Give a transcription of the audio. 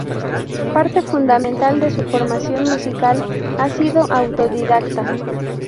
Parte fundamental de su formación musical ha sido autodidacta.